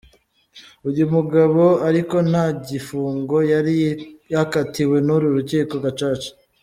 Uyu mugabo ariko nta gifungo yari yakatiwe n'uru rukiko Gacaca.